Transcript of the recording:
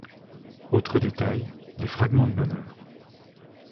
Autres détails, les fragments de bonheurs.